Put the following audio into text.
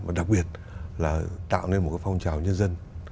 và đặc biệt là tạo nên một cái phong trào nhân dân